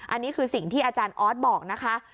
อันนี้คือสิ่งที่อาจารย์ออสบอกนะคะ